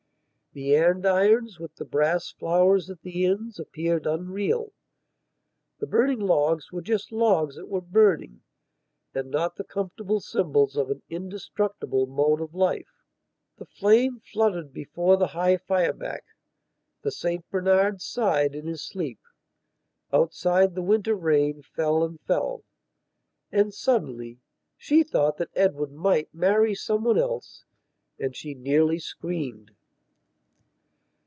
The andirons with the brass flowers at the ends appeared unreal; the burning logs were just logs that were burning and not the comfortable symbols of an indestructible mode of life. The flame fluttered before the high fireback; the St Bernard sighed in his sleep. Outside the winter rain fell and fell. And suddenly she thought that Edward might marry some one else; and she nearly screamed.